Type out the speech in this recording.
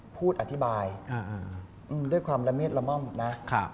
พูดอธิบายด้วยความละเม็ดละม่อมนะ